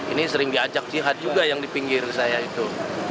ini sering diajak jihad juga yang di pinggir saya itu